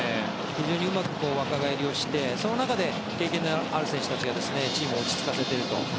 非常にうまく若返りをしてその中で経験ある選手たちがチームを落ち着かせていると。